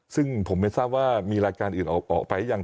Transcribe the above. ซึ่งผมไม่ทราบว่าอีกรายการออกไปอะไรยัง